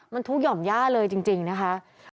มันทุกหย่อมย่าเลยจริงนะคะ